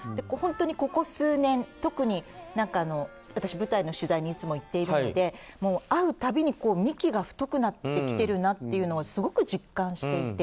ここ数年、特に私、舞台の取材にいつも言っていたので会う度に幹が太くなってきてるなというのをすごく実感していて。